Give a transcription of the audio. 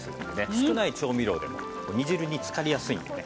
少ない調味料でも煮汁に漬かりやすいのでね